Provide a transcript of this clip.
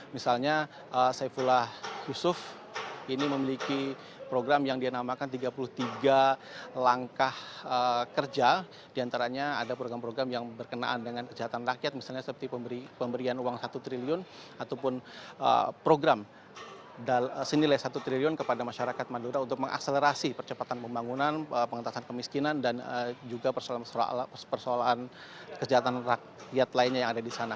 misalnya saifullah yusuf ini memiliki program yang dinamakan tiga puluh tiga langkah kerja diantaranya ada program program yang berkenaan dengan kesejahteraan rakyat misalnya seperti pemberian uang satu triliun ataupun program senilai satu triliun kepada masyarakat madura untuk mengakselerasi percepatan pembangunan pengantasan kemiskinan dan juga persoalan kesejahteraan rakyat lainnya yang ada di sana